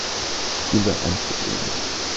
Gülle einzubringen.